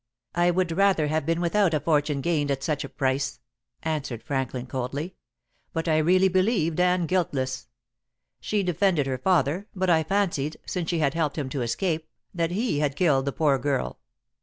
"I would rather have been without a fortune gained at such a price," answered Franklin coldly; "but I really believed Anne guiltless. She defended her father, but I fancied, since she had helped him to escape, that he had killed the poor girl."